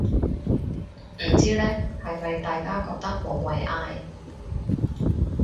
唔知呢，係咪大家覺得無謂嗌